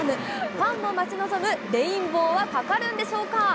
ファンも待ち望むレインボーはかかるんでしょうか？